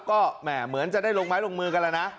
ก็แหม่เหมือนจะได้ลงไม้ลงมือกันแล้วนะ